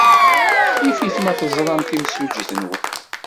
Yif-it ma teẓram timsujjit-nwen.